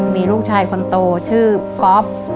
มีลูกชายคนโตชื่อก๊อฟ